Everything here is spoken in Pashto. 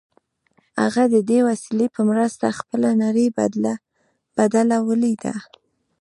هغه د دې وسیلې په مرسته خپله نړۍ بدله ولیده